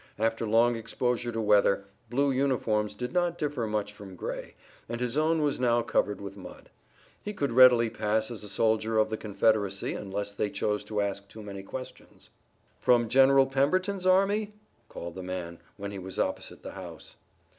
After long exposure to weather, blue uniforms did not differ much from gray, and his own was now covered with mud. He could readily pass as a soldier of the Confederacy unless they chose to ask too many questions. "From General Pemberton's army?" called the man, when he was opposite the house.